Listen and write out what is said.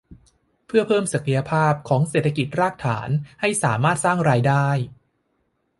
เพื่อเพิ่มศักยภาพของเศรษฐกิจฐานรากให้สามารถสร้างรายได้